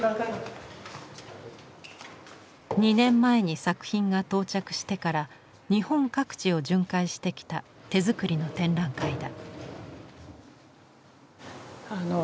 ２年前に作品が到着してから日本各地を巡回してきた手作りの展覧会だ。